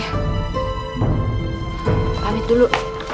kamu pamit dulu